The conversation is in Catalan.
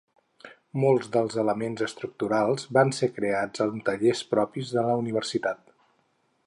Molts dels elements estructurals van ser creats en tallers propis de la universitat.